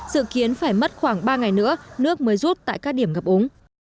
dự kiến phải mất khoảng ba ngày nữa nước mới rút tại các điểm ngập úng